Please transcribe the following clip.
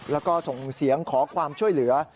แล้วก็ส่งเสียงขอความช่วยเหลือ